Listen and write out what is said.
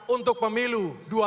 untuk pemilu dua ribu dua puluh empat